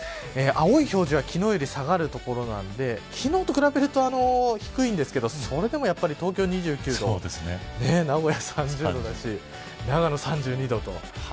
青表示は昨日より下がる所なので昨日と比べると低いんですけどそれでも東京２９度名古屋は３０度ですし長野３２度と。